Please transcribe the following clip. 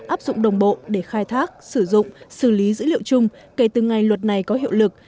áp dụng đồng bộ để khai thác sử dụng xử lý dữ liệu chung kể từ ngày luật này có hiệu lực